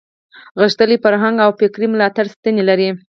غښتلې فرهنګي او فکري ملاتړې ستنې لري.